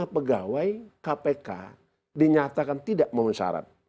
tujuh puluh lima pegawai kpk dinyatakan tidak memenuhi syarat